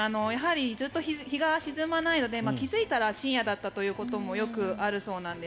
ずっと日が沈まないので気付いたら深夜だったということもよくあるそうなんです。